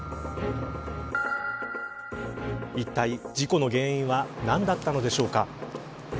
いったい事故の原因は何だったのでしょうか。